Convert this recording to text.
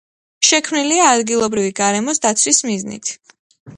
შექმნილია ადგილობრივი გარემოს დაცვის მიზნით.